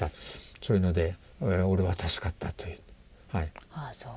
そういうので俺は助かったという。